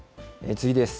次です。